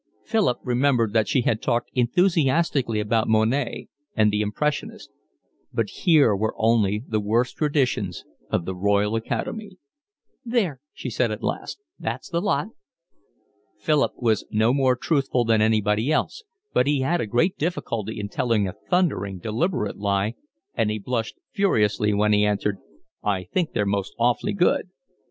Philip remembered that she had talked enthusiastically about Monet and the Impressionists, but here were only the worst traditions of the Royal Academy. "There," she said at last, "that's the lot." Philip was no more truthful than anybody else, but he had a great difficulty in telling a thundering, deliberate lie, and he blushed furiously when he answered: "I think they're most awfully good."